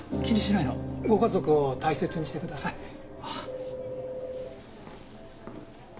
気にしないのご家族を大切にしてください。